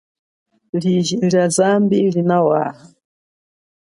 Liji lia zambi linawaha.